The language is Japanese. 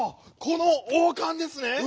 この王かんですね！